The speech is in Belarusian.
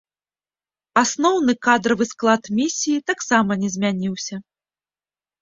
Асноўны кадравы склад місіі таксама не змяніўся.